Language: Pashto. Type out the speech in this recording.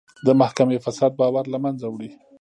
د محکمې فساد باور له منځه وړي.